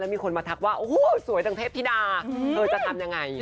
แล้วมีคนมาตักว่าโอ้โห